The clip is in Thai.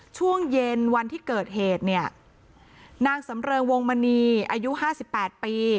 ช่วงเย็นวันที่เกิดเหตุเนี่ยนางสำเริงวงมณีอายุห้าสิบแปดปี